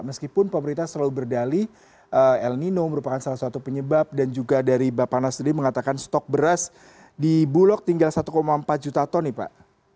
meskipun pemerintah selalu berdali el nino merupakan salah satu penyebab dan juga dari bapak nas sendiri mengatakan stok beras di bulog tinggal satu empat juta ton nih pak